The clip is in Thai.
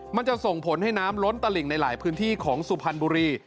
มันจะส่งผลให้น้ำล้นตลิ่งในหลายพื้นที่ของสุพรรณบุรี